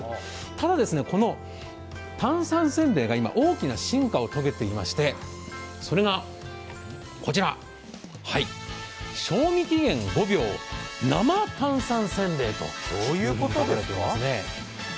ただ、この炭酸せんべいが今、大きな進化を遂げていましてそれがこちら、賞味期限５秒、なま炭酸せんべいということです。